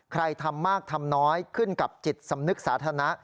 ใครทำมากทำน้อยขึ้นกับจิตสำนึกสาธารณะ